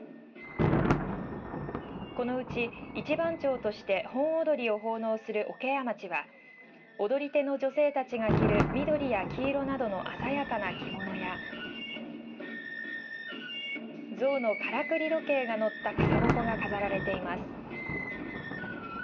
このうち一番町として本踊を奉納する桶屋町は踊り手の女性たちが着る緑や黄色などの鮮やかな着物や象のからくり時計が乗った傘鉾が飾られています。